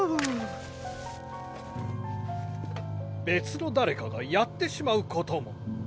別の誰かがやってしまうことも。